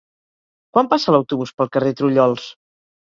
Quan passa l'autobús pel carrer Trullols?